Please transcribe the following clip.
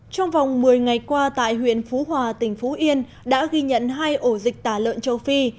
trong vòng một mươi ngày qua tại huyện phú hòa tỉnh phú yên đã ghi nhận hai ổ dịch tả lợn châu phi